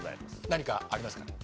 何かありますかね？